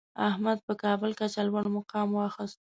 احمد په کابل کچه لومړی مقام واخیست.